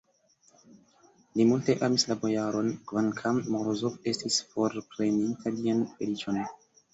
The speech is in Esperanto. Li multe amis la bojaron, kvankam Morozov estis forpreninta lian feliĉon.